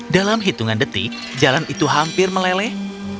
dalam hitungan detik jalan itu hampir meleleh